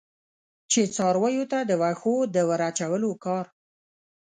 چې څارویو ته د وښو د ور اچولو کار.